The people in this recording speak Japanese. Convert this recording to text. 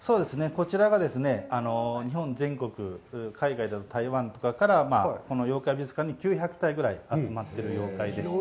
こちらは、日本全国、館内には、台湾とかからこの妖怪美術館に９００体ぐらい、集まっている妖怪でして。